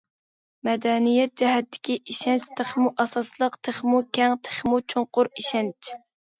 مەدەنىيەت جەھەتتىكى ئىشەنچ تېخىمۇ ئاساسلىق، تېخىمۇ كەڭ، تېخىمۇ چوڭقۇر ئىشەنچ.